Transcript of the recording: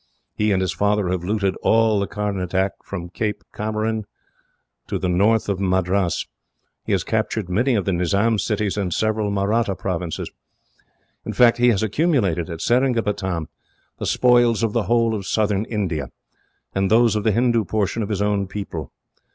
He and his father have looted all the Carnatic, from Cape Comorin to the north of Madras. He has captured many of the Nizam's cities, and several Mahratta provinces. "In fact, he has accumulated, at Seringapatam, the spoils of the whole of southern India, and those of the Hindoo portion of his own people.